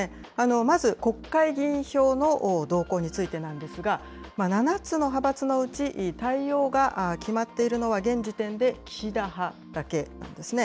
まず、国会議員票の動向についてなんですが、７つの派閥のうち、対応が決まっているのは、現時点で岸田派だけなんですね。